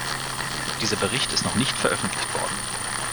Dieser Bericht ist noch nicht veröffentlicht worden.